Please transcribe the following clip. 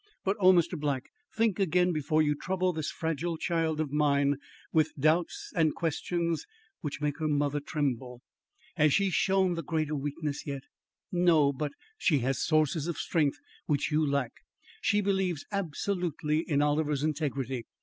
But oh, Mr. Black, think again before you trouble this fragile child of mine with doubts and questions which make her mother tremble." "Has she shown the greater weakness yet?" "No, but " "She has sources of strength which you lack. She believes absolutely in Oliver's integrity.